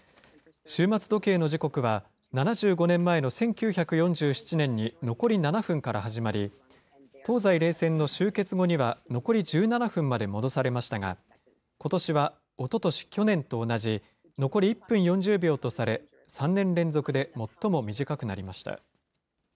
終末時計の時刻は７５年前の１９４７年に残り７分から始まり、東西冷戦の終結後には残り１７分まで戻されましたが、ことしはおととし、去年と同じ、残り１分４０秒とされ、３年連続で最も短くなりました。